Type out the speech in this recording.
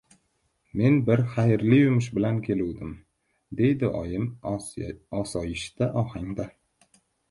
— Men bir xayrli yumush bilan keluvdim, — dedi oyim osoyishta ohangda.